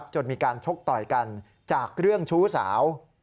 จนมีการชกต่อยกันจากเรื่องชู้สาว